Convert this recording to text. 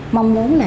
mong muốn là